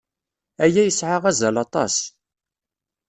Aya yesɛa azal aṭas.